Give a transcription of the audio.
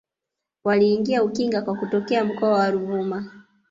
Waliingia Ukinga kwa kutokea mkoa wa Ruvuma